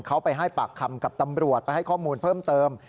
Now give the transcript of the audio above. เขาไปให้ปากคำกับตำรวจไปให้ข้อมูลเพิ่มเติม